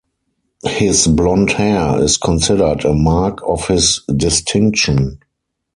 His blond hair is considered a mark of his distinction.